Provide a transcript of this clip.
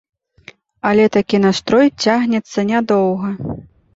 Але такі настрой цягнецца нядоўга.